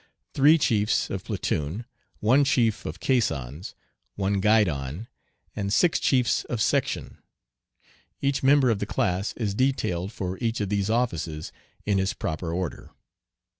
three chiefs of platoon, one chief of caissons, one guidon, and six chiefs of section. Each member of the class is detailed for each of these offices in his proper order.